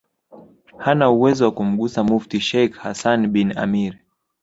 hana uwezo wa kumgusa Mufti Sheikh Hassan bin Amir